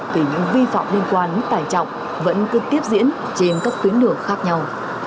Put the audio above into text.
thì những vi phạm liên quan đến tải trọng vẫn cứ tiếp diễn trên các tuyến đường khác nhau